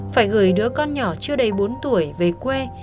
phải gửi đứa con nhỏ chưa đầy bốn tuổi về quê